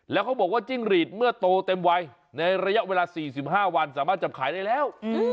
แล้วเขาบอกว่าจิ้งหรีดเมื่อโตเต็มวัยในระยะเวลา๔๕วันสามารถจับขายได้แล้ว